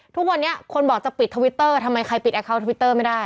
ทุกคนเนี่ยคนบอกจะปิดทวิตเตอร์